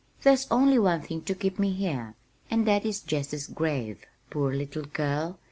"There's only one thing to keep me here, and that is Jessie's grave," (Poor little girl!